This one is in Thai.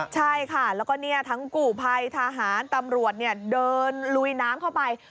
ใช่ค่ะแล้วก็ทั้งกู่ภัยทหารตำรวจเดินลุยน้ำเข้าไป